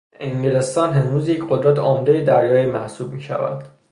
انگلستان هنوز یک قدرت عمدهی دریایی محسوب میشود.